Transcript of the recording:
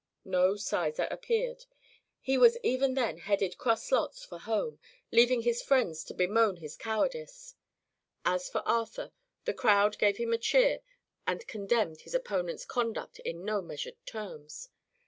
No Sizer appeared. He was even then headed cross lots for home, leaving his friends to bemoan his cowardice. As for Arthur, the crowd gave him a cheer and condemned his opponent's conduct in no measured terms.